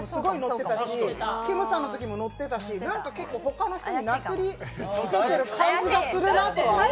ッてたし、きむさんのときもノッてたし他の人になすりつけている感じがするなって。